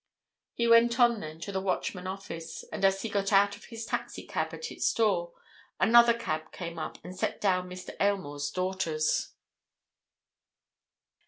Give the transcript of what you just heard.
He went on then to the Watchman office, and as he got out of his taxi cab at its door, another cab came up and set down Mr. Aylmore's daughters.